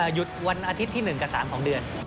หยุดวันอาทิตย์ที่๑กับ๓ของเดือน